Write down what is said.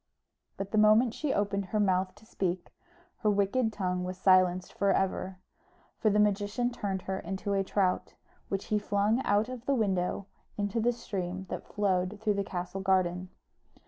But the moment she opened her mouth to speak, her wicked tongue was silenced for ever; for the magician turned her into a trout, which he flung out of the window into the stream that flowed through the castle garden.